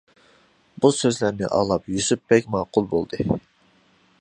بۇ سۆزلەرنى ئاڭلاپ يۈسۈپ بەگ ماقۇل بولدى.